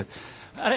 あれ？